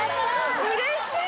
うれしい！